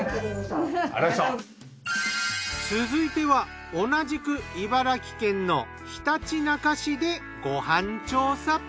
続いては同じく茨城県のひたちなか市でご飯調査。